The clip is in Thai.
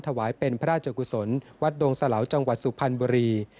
ถวายเป็นพระราชกุศลวัดดงสะเหลาจังหวัดสุพรรณบุรี